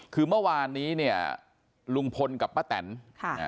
คือเมื่อวานนี้เนี่ยลุงพลกับป้าแตนค่ะอ่า